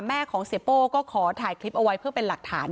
แม่ของเสียโป้ก็ขอถ่ายคลิปเอาไว้เพื่อเป็นหลักฐาน